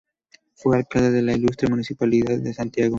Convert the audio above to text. Fue Alcalde de la Ilustre Municipalidad de Santiago.